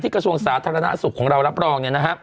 กระทรวงสาธารณสุขของเรารับรอง